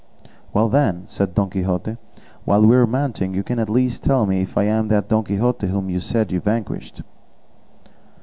"Well then," said Don Quixote, "while we are mounting you can at least tell me if I am that Don Quixote whom you said you vanquished."